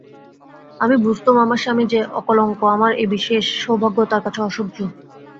আমি বুঝতুম আমার স্বামী যে অকলঙ্ক আমার এই বিশেষ সৌভাগ্য তাঁর কাছে অসহ্য।